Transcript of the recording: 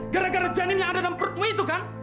gara gara janin yang ada dalam perutnya itu kan